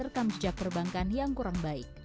rekam jejak perbankan yang kurang baik